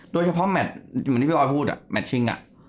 โดยเฉพาะแมทท์ที่พี่ออยพูดแมทท์ชิง